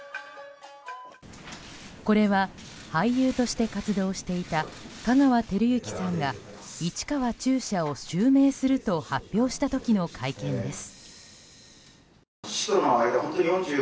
これは、俳優として活動していた香川照之さんが市川中車を襲名すると発表した時の会見です。